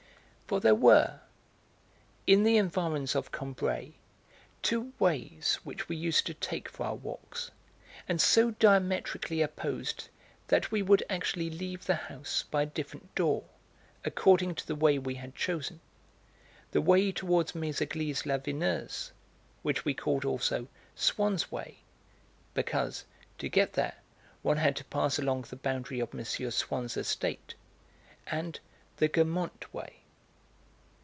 For there were, in the environs of Combray, two 'ways' which we used to take for our walks, and so diametrically opposed that we would actually leave the house by a different door, according to the way we had chosen: the way towards Méséglise la Vineuse, which we called also 'Swann's way,' because, to get there, one had to pass along the boundary of M. Swann's estate, and the 'Guermantes way.'